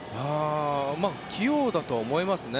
器用だと思いますね。